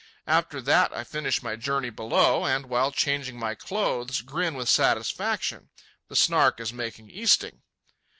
After that I finish my journey below, and while changing my clothes grin with satisfaction—the Snark is making easting.